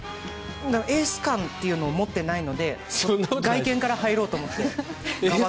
エース感というのを持っていないので外見から入ろうと思って。